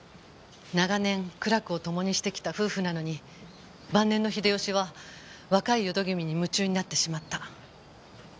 長年苦楽を共にしてきた夫婦なのに晩年の秀吉は若い淀君に夢中になってしまった。